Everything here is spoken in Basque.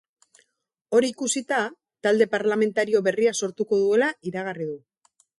Hori ikusita, talde parlamentario berria sortuko duela iragarri du.